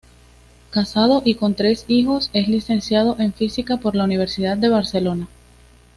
Casado y con tres hijos, es licenciado en física por la Universidad de Barcelona.